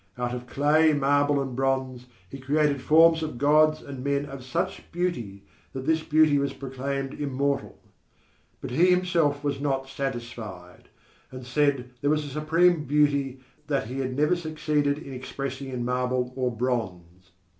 Out of clay, marble and bronze he created forms of gods and men of such beauty that this beauty was proclaimed immortal. But he himself was not satisfied, and said there was a supreme beauty that he had never succeeded in expressing in marble or bronze.